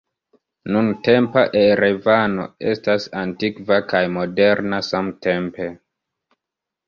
Nuntempa Erevano estas antikva kaj moderna samtempe.